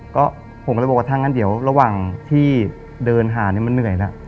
ก็ผมก็เลยบอกว่าถ้างั้นเดี๋ยวระหว่างที่เดินหาเนี่ยมันเหนื่อยแล้ว